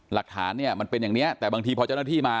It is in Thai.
หลักฐานเนี่ยมันเป็นอย่างนี้แต่บางทีพอเจ้าหน้าที่มา